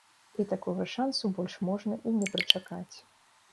І такога шансу больш можна і не прычакаць.